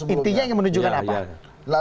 intinya menunjukkan apa